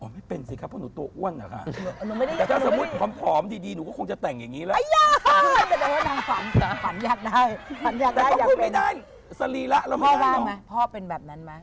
ไม่เป็นสิครับเพราะหนูตัวอ้วนอะค่ะ